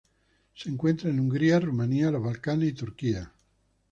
Se encuentra en Hungría, Rumanía, los Balcanes y Turquía.